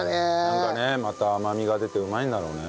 なんかねまた甘みが出てうまいんだろうね。